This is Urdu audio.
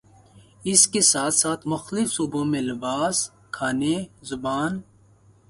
اس کے ساتھ ساتھ مختلف صوبوں میں لباس، کھانے، زبان